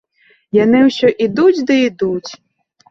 Яны ўсё ідуць ды ідуць.